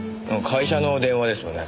会社の電話ですよね。